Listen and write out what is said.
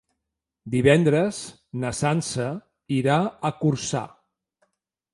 Divendres na Sança irà a Corçà.